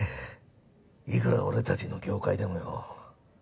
いくら俺たちの業界でもよ